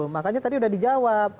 makanya tadi sudah di jawab